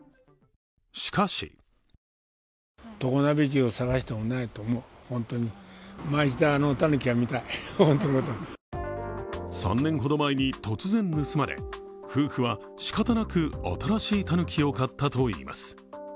しかし３年ほど前に突然盗まれ、夫婦はしかたなく新しいたぬきを買ったといいます。